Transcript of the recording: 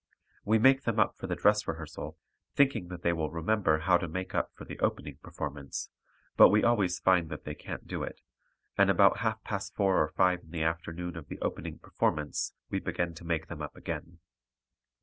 We make them up for the dress rehearsal thinking that they will remember how to make up for the opening performance, but we always find that they can't do it, and about half past four or five in the afternoon of the opening performance we begin to make them up again.